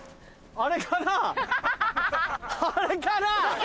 あれかな？